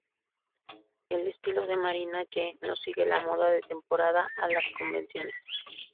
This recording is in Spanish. El estilo de Marina Yee no sigue la moda de temporada o las convenciones.